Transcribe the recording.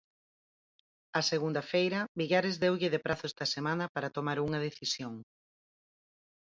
A segunda feira, Villares deulle de prazo esta semana para tomar unha decisión.